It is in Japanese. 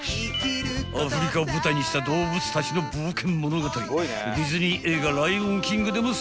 ［アフリカを舞台にした動物たちの冒険物語］